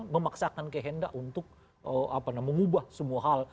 memaksakan kehendak untuk mengubah semua hal